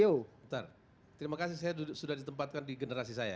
bentar terima kasih saya sudah ditempatkan di generasi saya ya